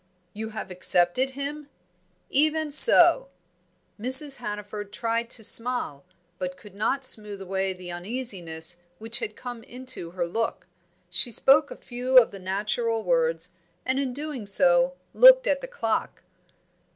"You have accepted him?" "Even so." Mrs. Hannaford tried to smile, but could not smooth away the uneasiness which had come into her look. She spoke a few of the natural words, and in doing so looked at the clock.